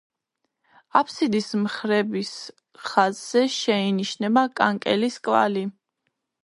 აფსიდის მხრების ხაზზე შეინიშნება კანკელის კვალი.